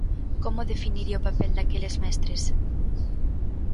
Como definiría o papel daqueles mestres?